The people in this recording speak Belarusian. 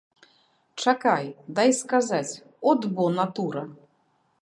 Чакай, дай сказаць, от бо натура!